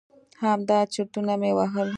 همدا چرتونه مې وهل.